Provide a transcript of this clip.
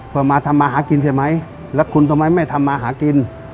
เพื่อมาทำมาหากินใช่ไหมแล้วคุณทำไมไม่ทำมาหากิน